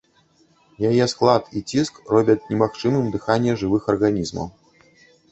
Яе склад і ціск робяць немагчымым дыханне жывых арганізмаў.